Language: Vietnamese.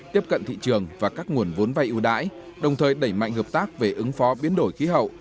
tiếp cận thị trường và các nguồn vốn vay ưu đãi đồng thời đẩy mạnh hợp tác về ứng phó biến đổi khí hậu